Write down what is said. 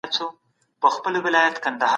شرم کول سړي ته زیان رسوي.